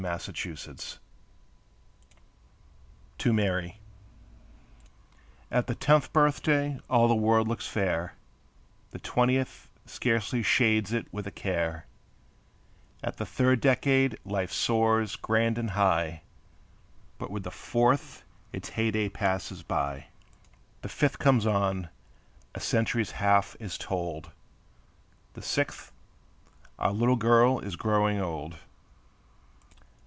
A SONG OF TENS TO MARY At the tenth birthday all the world looks fair; The twentieth scarcely shades it with a care; At the third decade life soars grand and high; But with the fourth its heyday passes by. The fifth comes on, a century's half is told; The sixth, our little girl is growing old.